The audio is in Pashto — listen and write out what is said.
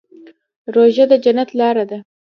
روژه د جنت لاره ده.